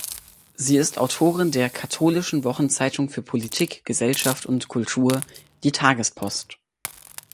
Sie ist Autorin der "Katholischen Wochenzeitung für Politik, Gesellschaft und Kultur „Die Tagespost“".